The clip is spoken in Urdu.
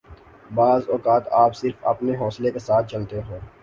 بعض اوقات آپ صرف اپنے حوصلہ کے ساتھ چلتے ہیں